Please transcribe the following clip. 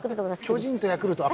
巨人とヤクルト。